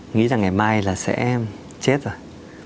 nghĩ rằng ngày mai là sẽ chết rồi